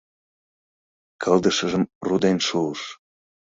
Кылдышыжым руден шуыш...